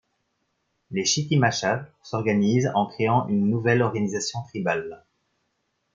Les Chitimachas s'organisent en créant une nouvelle organisation tribale.